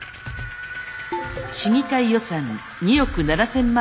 市議会予算２億７，０００万の削減。